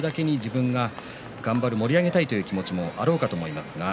それだけ自分が頑張る盛り上げたいという気持ちはあるかと思います。